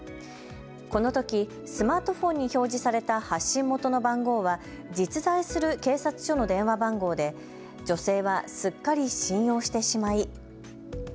このときスマートフォンに表示された発信元の番号は実在する警察署の電話番号で女性はすっかり信用してしまい。